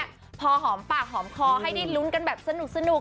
พอหอมปากหอมคอให้ได้ลุ้นกันแบบสนุก